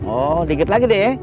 oh dikit lagi deh